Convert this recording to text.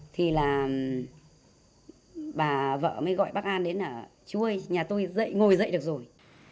thì là bà vợ mới gọi bác an đến là chú ơi nhà tôi ngồi dậy được rồi